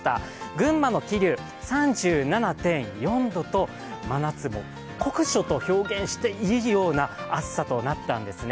群馬の桐生、３７．４度と真夏日も、酷暑と表現していいような暑さとなったんですね。